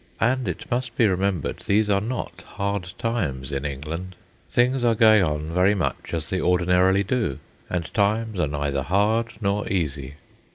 And, it must be remembered, these are not hard times in England. Things are going on very much as they ordinarily do, and times are neither hard nor easy.